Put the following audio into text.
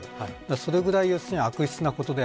それぐらい悪質なことです。